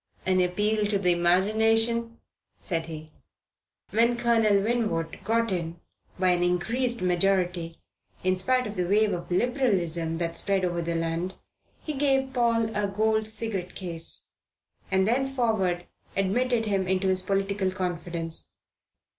"An appeal to the imagination," said he. When Colonel Winwood got in by an increased majority, in spite of the wave of Liberalism that spread over the land, he gave Paul a gold cigarette case; and thenceforward admitted him into his political confidence.